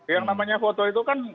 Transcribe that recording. yang namanya foto itu kan